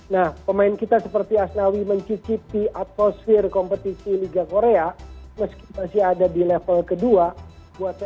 nah pemain kita seperti asnawi mencicipi atmosfer kompetisi liga korea meski masih ada di level kedua